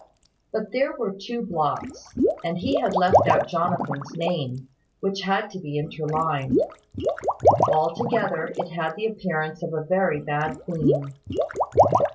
But there were two blots; and he had left out Jonathan's name, which had to be interlined. Altogether, it had the appearance of a very bad theme.